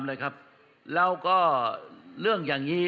เป็นควอเหตุงาน